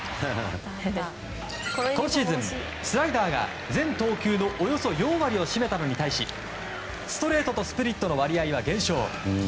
今シーズン、スライダーが全投球のおよそ４割を占めたのに対しストレートとスプリットの割合は減少。